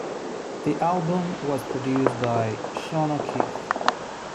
The album was produced by Sean O'Keefe.